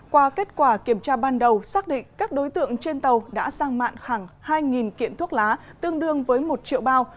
qua kết quả kiểm tra ban đầu xác định các đối tượng trên tàu đã sang mạng hàng hai kiện thuốc lá tương đương với một triệu bao